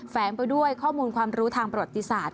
แฝงไปด้วยข้อมูลความรู้ทางประวัติศาสต